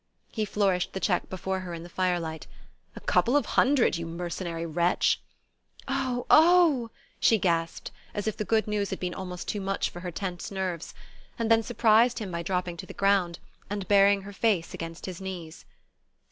He flourished the cheque before her in the firelight. "A couple of hundred, you mercenary wretch!" "Oh, oh " she gasped, as if the good news had been almost too much for her tense nerves; and then surprised him by dropping to the ground, and burying her face against his knees.